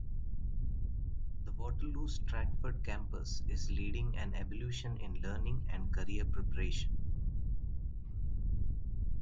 The Waterloo Stratford Campus is leading an evolution in learning and career preparation.